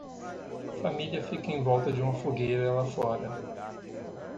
Família fica em volta de uma fogueira lá fora.